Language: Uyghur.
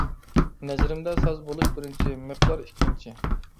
نەزىرىمدە ساز بولۇش بىرىنچى، مىقدار ئىككىنچى.